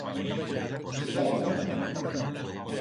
Chita vin.